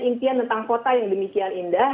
impian tentang kota yang demikian indah